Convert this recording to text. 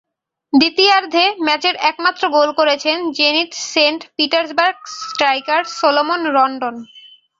দ্বিতীয়ার্ধে ম্যাচের একমাত্র গোল করেছেন Zenit Saint Petersburg striker Salomon Rondon.